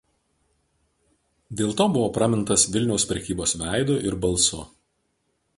Dėl to buvo pramintas „Vilniaus prekybos“ veidu ir balsu.